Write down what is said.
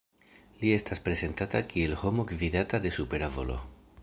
Li estas prezentata kiel homo gvidata de supera volo.